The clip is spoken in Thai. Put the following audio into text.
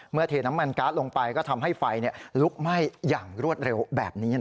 เทน้ำมันการ์ดลงไปก็ทำให้ไฟลุกไหม้อย่างรวดเร็วแบบนี้